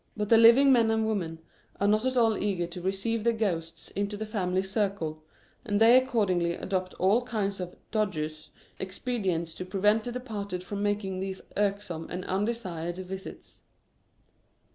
But the living men and women are not at all eager to receive the ghosts into the family circle, and they accordingly adopt all kinds of " dodges," expedients to prevent the departed from making these irksome and undesired visits.